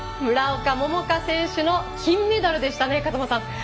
村岡桃佳選手の金メダルでしたね、風間さん。